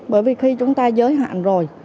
bởi vì khi chúng ta giới hạn rồi